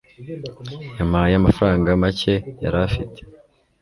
yampaye amafaranga make yari afite